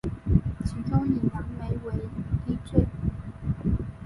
其中以杨梅为一最。